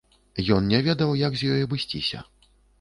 Ён не ведаў, як з ёй абысціся.